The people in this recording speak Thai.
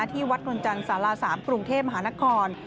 ที่วัดนวลจันทร์สารา๓กรุงเทพมหานคร